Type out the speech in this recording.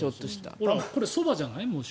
これ、ソバじゃない？